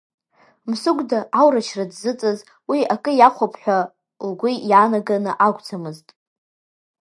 Мсыгәда аурычра дзыҵаз уи акы иахәап ҳәа лгәы иаанаганы акәӡамызт.